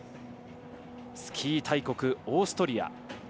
スキー大国オーストリア。